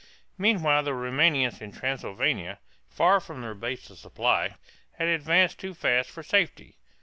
Meanwhile the Roumanians in Transylvania, far from their base of supplies, had advanced too fast for safety.